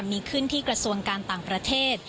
มีขึ้นที่กระทรวงการต่างประเทศ